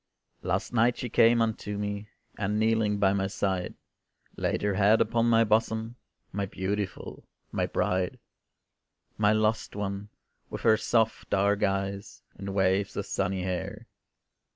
Last night she came unto me, And kneeling by my side, Laid her head upon my bosom, My beautiful, my bride; My lost one, with her soft dark eyes, And waves of sunny hair.